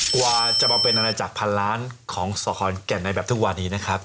กว่าจะมาเป็นอาณาจักรพันล้านของสคอนแก่นในแบบทุกวันนี้นะครับ